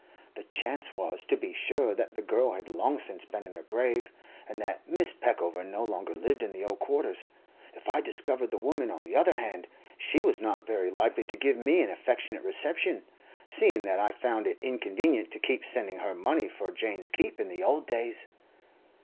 The chance was, to be sure, that the girl had long since been in her grave, and that Mrs. Peckover no longer lived in the old quarters; if I discovered the woman, on the other hand, she was not very likely to give me an affectionate reception, seeing that I found it inconvenient to keep sending her money for Jane's keep in the old days.